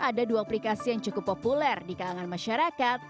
ada dua aplikasi yang cukup populer di kalangan masyarakat